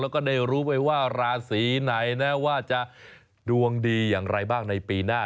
แล้วก็ได้รู้ไปว่าราศีไหนนะว่าจะดวงดีอย่างไรบ้างในปีหน้า